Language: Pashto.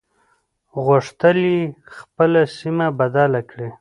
غوښتل يې خپله سيمه بدله کړي.